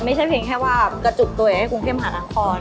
ไม่ใช่เพียงแค่ว่ากระจุกตัวเองให้กรุงเข้มหาดังคล